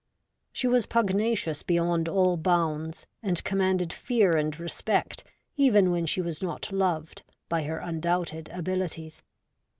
She was pugnacious beyond all bounds, and commanded fear and respect, even when she was not loved, by her undoubted abilities.